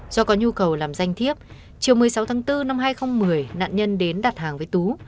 do có nhu cầu làm danh thiếp chiều một mươi sáu tháng bốn năm hai nghìn một mươi nạn nhân đến đặt hàng với tú